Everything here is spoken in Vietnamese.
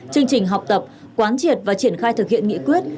chương trình học tập quán triệt và triển khai thực hiện nghị quyết